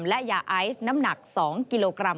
และยาไอซ์น้ำหนัก๒กิโลกรัม